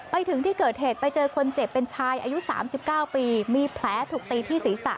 ไปถึงที่เกิดเหตุไปเจอคนเจ็บเป็นชายอายุ๓๙ปีมีแผลถูกตีที่ศีรษะ